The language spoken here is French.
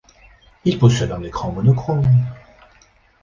Il possède un écran monochrome.